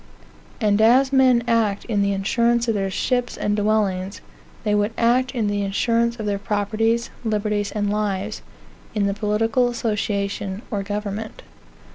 And as men act in the insurance of their ships and dwellings, they would act in the insurance of their properties, liberties and lives, in the political association, or government.